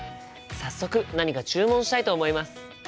早速何か注文したいと思います。